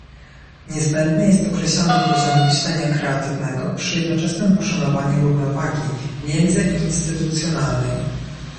Niezbędny jest określony poziom myślenia kreatywnego przy jednoczesnym poszanowaniu równowagi międzyinstytucjonalnej